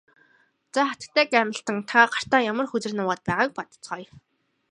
За хатагтай Гамильтон та гартаа ямар хөзөр нуугаад байгааг бодоцгооё.